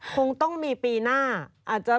คงต้องมีปีหน้าอาจจะ